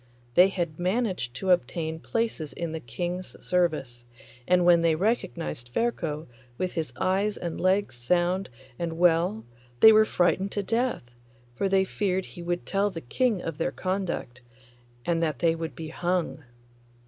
They had managed to obtain places in the King's service, and when they recognised Ferko with his eyes and legs sound and well they were frightened to death, for they feared he would tell the King of their conduct, and that they would be hung.